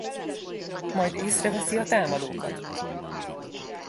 Majd észreveszi a támadókat.